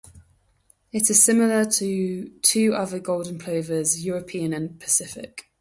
It is similar to two other golden plovers, European and Pacific.